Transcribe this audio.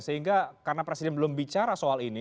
sehingga karena presiden belum bicara soal ini